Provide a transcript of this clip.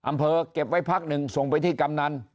อำเภอเก็บไว้พักหนึ่งส่งไปที่กำนัน